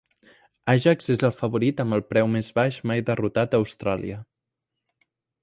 Ajax és el favorit amb el preu més baix mai derrotat a Austràlia.